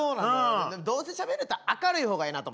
どうせしゃべるんやったら明るい方がええなと思って。